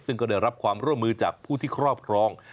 ซึ่งก็ได้รับความร่วมมือจากผู้ที่ครอบครอง